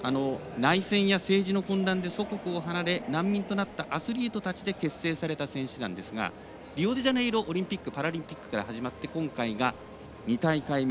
内戦や政治の混乱で祖国を離れ難民となったアスリートたちで結成されたチームですがリオデジャネイロオリンピック・パラリンピックから始まって今回が２大会目。